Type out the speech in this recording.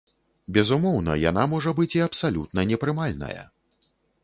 Безумоўна, яна можа быць і абсалютна непрымальная.